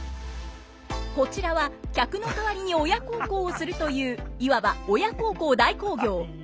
こちらは客の代わりに親孝行をするといういわば親孝行代行業。